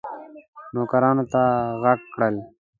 نوکرانو ته ږغ کړل.